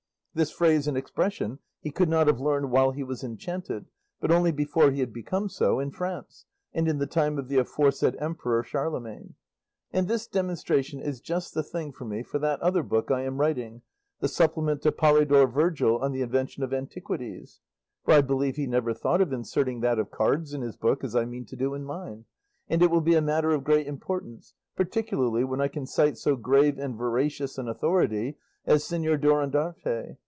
This phrase and expression he could not have learned while he was enchanted, but only before he had become so, in France, and in the time of the aforesaid emperor Charlemagne. And this demonstration is just the thing for me for that other book I am writing, the 'Supplement to Polydore Vergil on the Invention of Antiquities;' for I believe he never thought of inserting that of cards in his book, as I mean to do in mine, and it will be a matter of great importance, particularly when I can cite so grave and veracious an authority as Señor Durandarte.